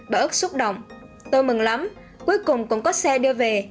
bà ước xúc động tôi mừng lắm cuối cùng cũng có xe đưa về